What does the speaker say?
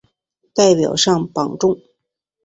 代表上榜中